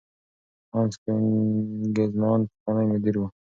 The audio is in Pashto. هانس کوېنیګزمان پخوانی مدیر و.